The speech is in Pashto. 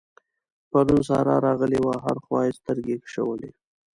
پرون سارا راغلې وه؛ هره خوا يې سترګې کشولې.